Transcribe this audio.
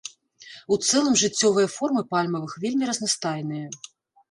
У цэлым жыццёвыя формы пальмавых вельмі разнастайныя.